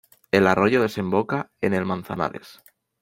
El arroyo desemboca en el Manzanares.